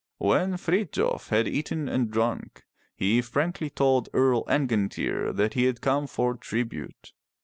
When Frithjof had eaten and drunk, he frankly told Earl Angantyr that he had come for tribute.